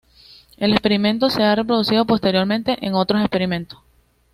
El experimento se ha reproducido posteriormente en otros experimentos.